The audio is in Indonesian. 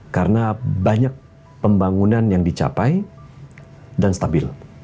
karena banyak pembangunan yang dicapai dan stabil